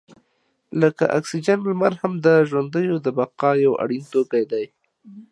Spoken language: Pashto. لکه اکسیجن، لمر هم د ژوندیو د بقا یو اړین توکی دی.